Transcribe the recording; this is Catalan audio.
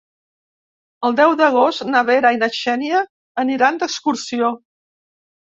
El deu d'agost na Vera i na Xènia aniran d'excursió.